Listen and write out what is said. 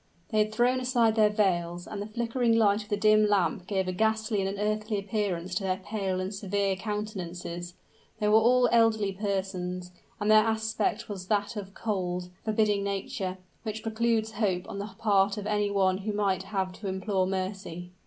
They had thrown aside their veils, and the flickering light of the dim lamp gave a ghastly and unearthly appearance to their pale and severe countenances. They were all three elderly persons: and their aspect was of that cold, forbidding nature, which precludes hope on the part of any one who might have to implore mercy.